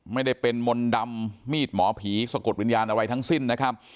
ไม่ได้เป็นมนต์ดำมีดหมอผีสะกดวิญญาณอะไรทั้งสิ้นนะครับ